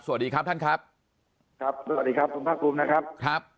สวัสดีครับท่านครับสวัสดีครับท่านภาคภูมินะครับ